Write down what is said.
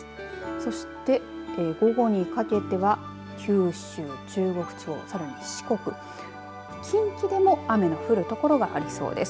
そして午後にかけては九州、中国地方さらに四国近畿でも雨の降る所がありそうです